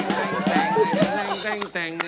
เนี่ยสายตาคุณน่ะงงตลอดเลย